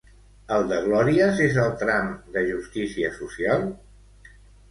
El de Glòries és el tram de justícia social?